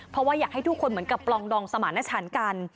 เพราะว่าอยากให้ทุกคนเหมือนกับปลองดองสมารณชันกัน